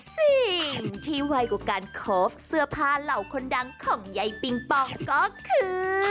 สิ่งที่ไวกว่าการโคฟเสื้อผ้าเหล่าคนดังของใยปิงปองก็คือ